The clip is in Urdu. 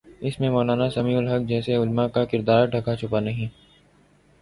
اس میں مولانا سمیع الحق جیسے علماء کا کردار ڈھکا چھپا نہیں۔